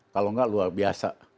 kalau nggak luar biasa